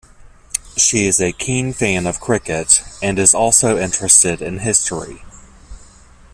She is a keen fan of cricket, and is also interested in history.